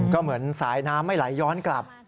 ก็เหมือนสายน้ำไม่ไหลย้อนกลับ